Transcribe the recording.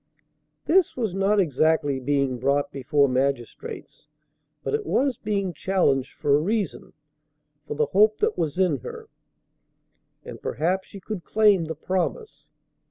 This was not exactly being brought before magistrates; but it was being challenged for a reason for the hope that was in her, and perhaps she could claim the promise.